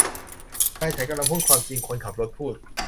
นายฉันกำลังพูดความจริงคนขับรถพูด